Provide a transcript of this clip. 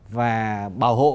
và bảo hộ